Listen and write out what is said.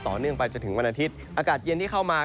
ต่อเนื่องไปจนถึงวันอาทิตย์อากาศเย็นที่เข้ามา